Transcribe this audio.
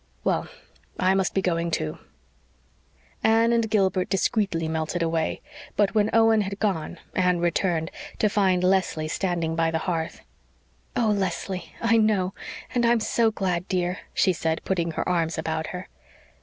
Well, I must be going, too." Anne and Gilbert discreetly melted away; but when Owen had gone Anne returned, to find Leslie standing by the hearth. "Oh, Leslie I know and I'm so glad, dear," she said, putting her arms about her.